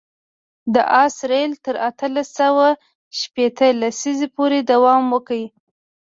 د آس رېل تر اتلس سوه شپېته لسیزې پورې دوام وکړ.